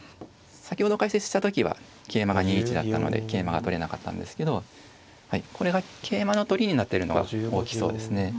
先ほど解説した時は桂馬が２一だったので桂馬が取れなかったんですけどこれが桂馬の取りになってるのが大きそうですね。